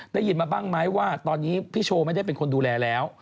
ได้ยินมาบ้างไหมว่าตอนนี้พี่โชว์ไม่ได้เป็นคนดูแลแล้ว